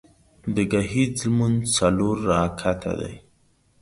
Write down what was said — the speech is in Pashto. د ګهیځ لمونځ څلور رکعته ده